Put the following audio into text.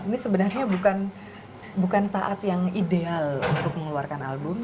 ini sebenarnya bukan saat yang ideal untuk mengeluarkan album